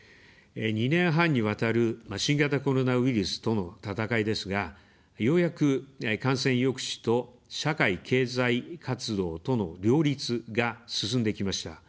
２年半にわたる新型コロナウイルスとの闘いですが、ようやく感染抑止と、社会・経済活動との両立が進んできました。